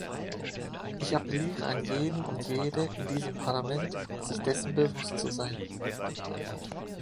Ich appelliere an jeden und jede in diesem Parlament, sich dessen bewusst zu sein.